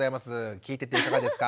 聞いてていかがですか？